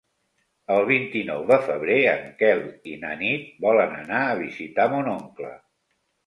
El vint-i-nou de febrer en Quel i na Nit volen anar a visitar mon oncle.